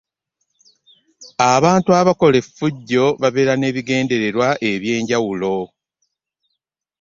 Abantu abakola effujjo babeera n'ebigendererwa eby'enjawulo.